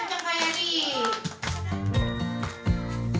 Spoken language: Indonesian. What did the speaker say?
kampung dongeng indonesia